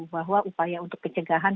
bahwa upaya untuk pencegahan